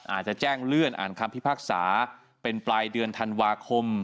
อาจจะแจ้งเลื่อนอ่านคำพิพากษาเป็นปลายเดือนธันวาคม